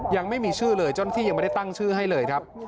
ยังไม่มีชื่อเลยเจ้าหน้าที่ยังไม่ได้ตั้งชื่อให้เลยครับ